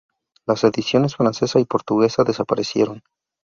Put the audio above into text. Las ediciones francesa y portuguesa desaparecieron.